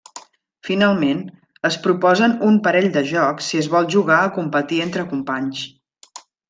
Finalment, es proposen un parell de jocs si es vol jugar a competir entre companys.